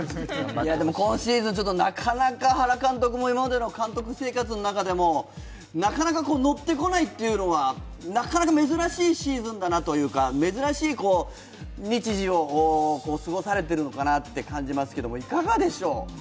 今シーズン、なかなか原監督も、今までの監督生活の中でなかなかのってこないというのは珍しいシーズンだなというか珍しい日時を過ごされてるのかなと感じますが、いかがでしょう？